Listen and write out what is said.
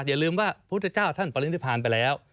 อย่าลืมว่าพุทธเจ้าท่านปริณฑิทานไปแล้ว